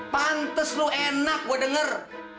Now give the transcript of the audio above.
pantes lu enak gua denger